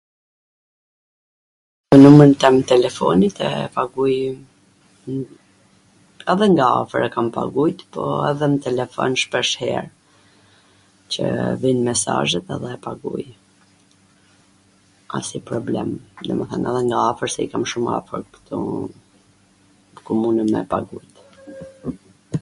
Numrin tem telefonit e paguj... edhe nga afwr e kam pagujt, po edhe nw telefon shpi shpeshher, qw vijn mesazhet edhe e paguj .. asnjw problem... domethen edhe nga afwr, se i kam shum afwr ktu komunwn me e pagu